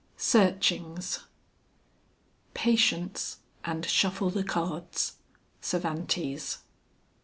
SEARCHINGS. "Patience, and shuffle the cards." CERVANTES.